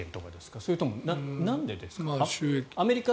それともなんでですか？